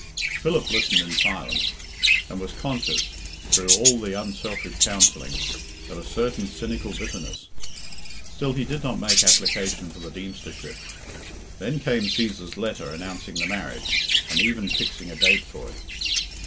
Philip listened in silence, and was conscious, through all the unselfish counselling, of a certain cynical bitterness. Still he did not make application for the Deemstership. Then came Cæsar's letter announcing the marriage, and even fixing a date for it.